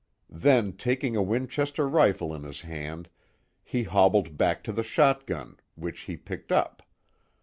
Then taking a Winchester rifle in his hand, he hobbled back to the shot gun, which he picked up.